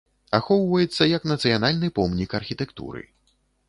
Ахоўваецца як нацыянальны помнік архітэктуры.